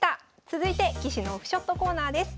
続いて棋士のオフショットコーナーです。